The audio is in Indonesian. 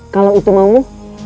kalau itu mau